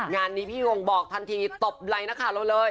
งานนี้พี่ยงบอกทันทีตบไลน์นะคะเราเลย